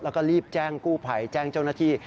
แล้วก็รีบแจ้งกู้ภัยแจ้งเจ้าหน้าที่